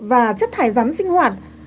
và chất thải rắn sinh hoạt